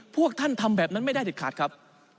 พวกท่านทำแบบนั้นไม่ได้เด็ดขาดครับ